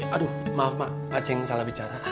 aduh maaf mak pak ceng salah bicara